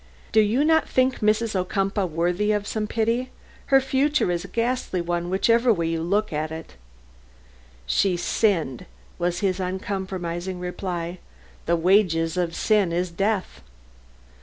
"Do you not think Mrs. Ocumpaugh worthy some pity? Her future is a ghastly one, whichever way you look at it." "She sinned," was his uncompromising reply. "The wages of sin is death."